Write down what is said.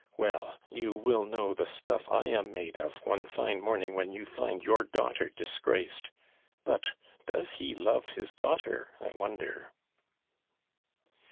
Well, you will know the stuff I am made of one fine morning when you find your daughter disgraced! But does he love his daughter, I wonder?"